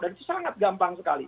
dan itu sangat gampang sekali